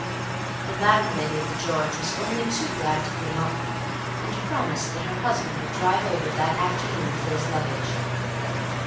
The landlady of 'The George' was only too glad to put him up, and promised that her husband would drive over that afternoon for his luggage.